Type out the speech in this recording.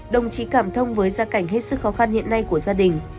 đồng chí cảm thông với gia cảnh hết sức khó khăn hiện nay của gia đình